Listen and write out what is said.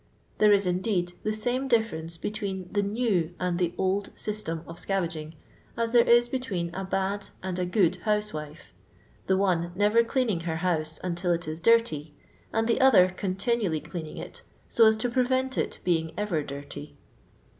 There is, indeed, the same difference between the new and the old system of scavaging, as there is between a bad and a good housewite : the one never cleaning her house until it is dirty, and the other continually cleaning it, so as to prevent it being ever dirty.